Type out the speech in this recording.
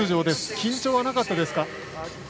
緊張はなかったでしょうか。